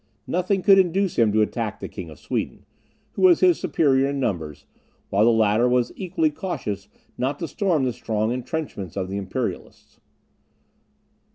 Nothing could induce him to attack the King of Sweden, who was his superior in numbers, while the latter was equally cautious not to storm the strong entrenchments of the Imperialists.